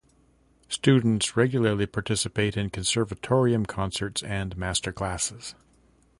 Students regularly participate in Conservatorium concerts and master classes.